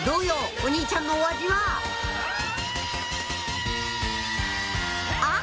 お兄ちゃんのお味はあっ！